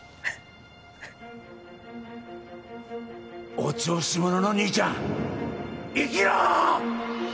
お調子者の兄ちゃん生きろ！